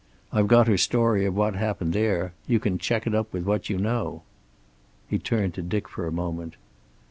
I've got her story of what happened there. You can check it up with what you know." He turned to Dick for a moment.